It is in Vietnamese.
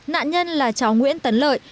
nạn nhân là cháu nguyễn tấn lợi